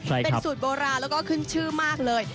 เป็นสูตรโบราณแล้วก็ขึ้นชื่อมากเลย